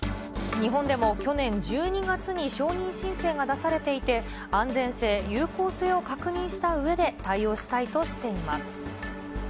日本でも去年１２月に承認申請が出されていて、安全性、有効性を確認したうえで対応したいとしています。